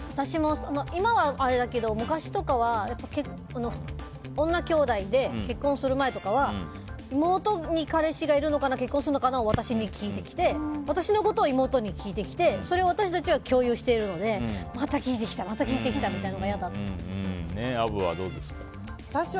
今はあれだけど、昔とかは女きょうだいで結婚する前とかは妹に彼氏がいるから結婚するのかなとかを私に聞いてきて私のことを妹に聞いてそれを私たちは共有してるのでまた聞いてきたみたいなのがアブはどうでしたか。